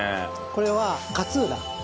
これは勝浦。